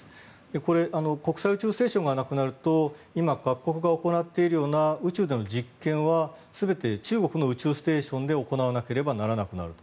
これ、国際宇宙ステーションがなくなると今各国が行っているような宇宙での実験は全て中国の宇宙ステーションで行わなければならなくなると。